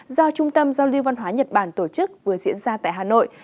do trung tâm giao lưu văn hóa nhật bản tổ chức vừa diễn ra tại hà nội